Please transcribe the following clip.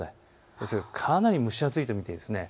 ですからかなり蒸し暑いと見ていいです。